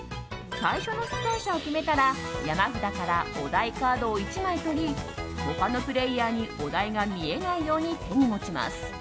最初の出題者を決めたら山札からお題カードを１枚取り他のプレーヤーにお題が見えないように手に持ちます。